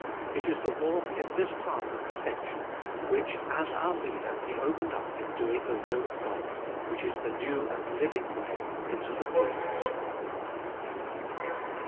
It is the walk in this path of perfection, which as our Leader He opened up in doing the will of God, which is the new and living way into the Holiest.